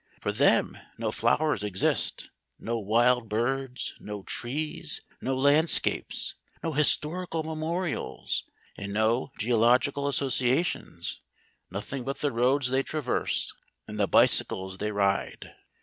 For them no flowers exist, no wild birds, no trees, no landscapes, no historical memorials, and no geological associations, nothing but the roads they traverse and the bicycles they ride.